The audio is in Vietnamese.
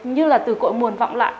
như là từ cội muồn vọng lại